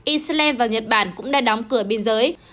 israel và nhật bản cũng đã đóng cửa biên giới